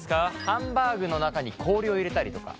ハンバーグの中に氷を入れたりとか。